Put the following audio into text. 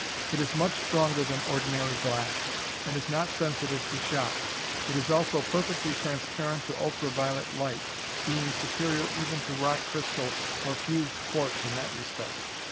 It is much stronger than ordinary glass, and is not sensitive to shock. It is also perfectly transparent to ultra violet light, being superior even to rock crystal or fused quartz in that respect.